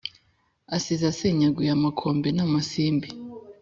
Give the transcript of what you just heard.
asize asenyaguye amakombe na masimbi